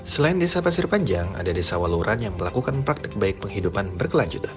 selain desa pasir panjang ada desa waluran yang melakukan praktik baik penghidupan berkelanjutan